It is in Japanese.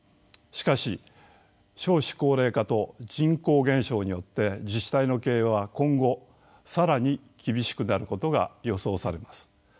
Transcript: しかし少子高齢化と人口減少によって自治体の経営は今後更に厳しくなることが予想されます。